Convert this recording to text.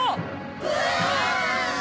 うわ！